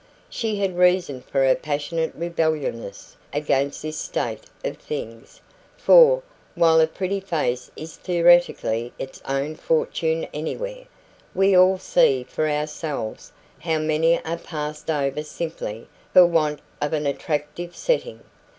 She had reason for her passionate rebelliousness against this state of things; for, while a pretty face is theoretically its own fortune anywhere, we all see for ourselves how many are passed over simply for want of an attractive setting.